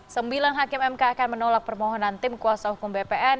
sembilan hakim mk akan menolak permohonan tim kuasa hukum bpn